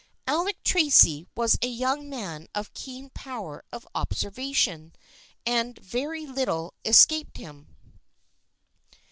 Alec Tracy was a young man of keen power of ob servation, and very little escaped him.